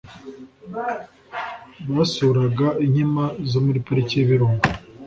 basuraga Inkima zo muri Pariki y'Ibirunga